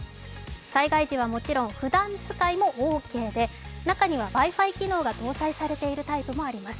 災害時はもちろん、ふだん使いもオーケーで中にはＷｉ−Ｆｉ機能が搭載されているタイプもあります。